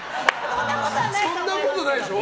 そんなことないでしょ？